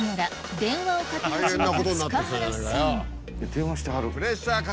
電話してはる。